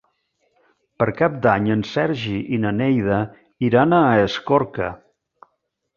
Per Cap d'Any en Sergi i na Neida iran a Escorca.